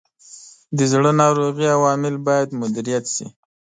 د زړه ناروغیو عوامل باید مدیریت شي.